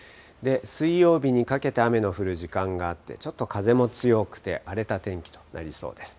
水曜日にかけて雨の降る時間があって、ちょっと風も強くて、荒れた天気となりそうです。